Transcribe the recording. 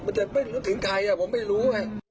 จะไม่รู้ถึงใครผมไม่รู้ไง